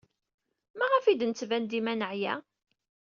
Maɣef ay d-nettban dima neɛya?